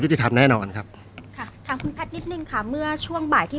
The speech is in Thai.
ติธรรมแน่นอนครับค่ะถามคุณแพทย์นิดนึงค่ะเมื่อช่วงบ่ายที่